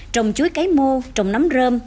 trồng chuối cấy mô trồng nấm rơm